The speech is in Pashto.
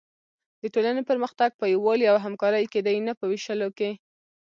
د ټولنې پرمختګ په یووالي او همکارۍ کې دی، نه په وېشلو کې.